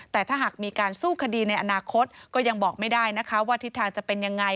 แต่ถ้าหากมีการสู้คดีในอนาคตก็ยังบอกไม่ได้นะคะว่าทิศทางจะเป็นยังไง